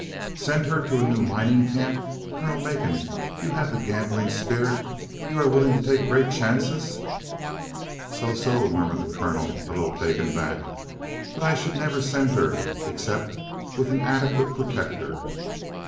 "Send her to a new mining camp. Colonel Macon, you have the gambling spirit; you are willing to take great chances!" "So! So!" murmured the colonel, a little taken aback. "But I should never send her except with an adequate protector."